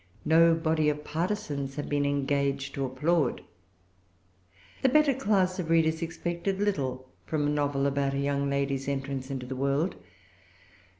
No body of partisans had been engaged to applaud. The better class of readers expected little from a novel about a young lady's entrance into the world.